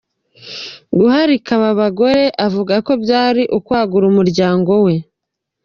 Guharika aba abagore avuga ko byari ukwagura umuryango we.